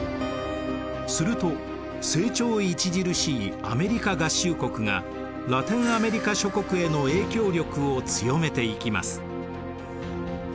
すると成長著しいアメリカ合衆国がラテンアメリカ諸国への影響力を強めていきます。